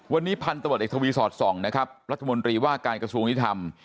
วันนี้พันธุ์ตะเบิดเอ็กซ์ทวีสอด๒นะครับรัฐมนตรีว่าการกระทรวงอิทธรรม